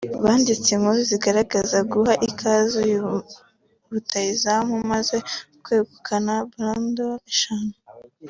byanditse inkuru zigaragaza guha ikaze uyu rutahizamu umaze kwegukana ballon d’or eshanu